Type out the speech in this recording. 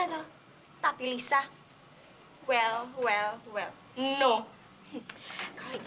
lihat dia udah jadi anak yang baik